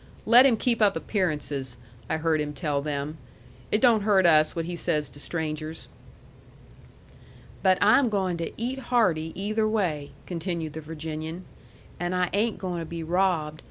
"Let him keep up appearances," I heard him tell them. "It don't hurt us what he says to strangers." "But I'm goin' to eat hearty either way," continued the Virginian. "And I ain' goin' to be robbed.